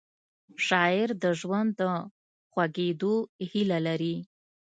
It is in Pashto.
شاعر د ژوند د خوږېدو هیله لري